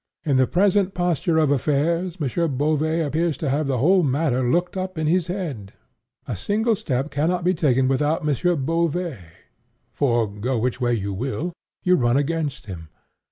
In the present posture of affairs, M. Beauvais appears to have the whole matter locked up in his head. A single step cannot be taken without M. Beauvais, for, go which way you will, you run against him....